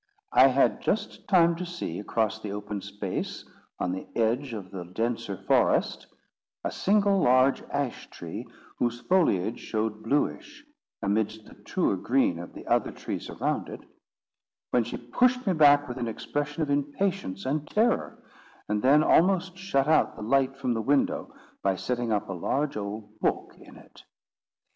I had just time to see, across the open space, on the edge of the denser forest, a single large ash tree, whose foliage showed bluish, amidst the truer green of the other trees around it; when she pushed me back with an expression of impatience and terror, and then almost shut out the light from the window by setting up a large old book in it.